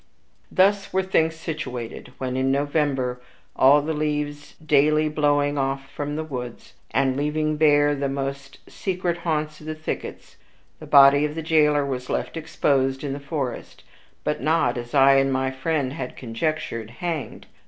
Thus were things situated, when in November, all the leaves daily blowing off from the woods, and leaving bare the most secret haunts of the thickets, the body of the jailer was left exposed in the forest; but not, as I and my friend had conjectured, hanged.